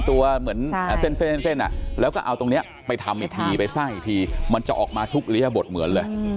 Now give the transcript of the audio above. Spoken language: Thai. เหมือนเส้นแล้วก็เอาตรงนี้ไปทำอีกทีไปสร้างอีกทีมันจะออกมาทุกริยบทเหมือนเลย